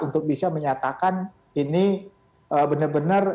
untuk bisa menyatakan ini benar benar